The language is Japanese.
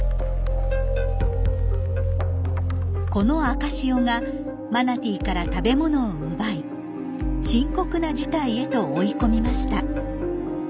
この赤潮がマナティーから食べ物を奪い深刻な事態へと追い込みました。